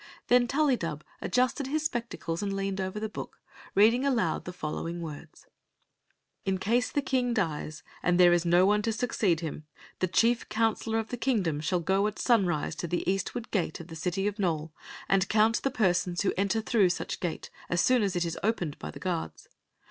Then TuUydub adjusted his spectacles and leaned over the book, reading aloud the following words: " In cise the king dies, and there is no one to suc ceed him, the chief counselor of the kingdom shall go at sunrise to the eastward gate of the city of Nole and count the persons who enter through such gate as soon as it is opened by the guards.